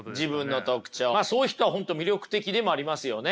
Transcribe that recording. まあそういう人は本当魅力的でもありますよね。